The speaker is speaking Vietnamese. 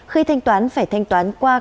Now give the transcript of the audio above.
khi thanh toán phải thanh toán qua